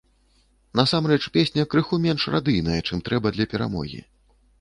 Насамрэч, песня крыху менш радыйная, чым трэба для перамогі.